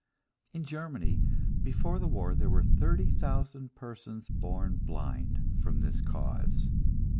In Germany, before the war, there were thirty thousand persons born blind from this cause.